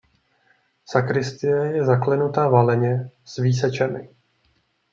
Sakristie je zaklenuta valeně s výsečemi.